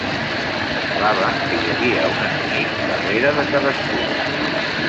Semblava que hi havia un enemic darrere de cadascun.